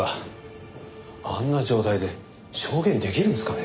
あんな状態で証言できるんですかね？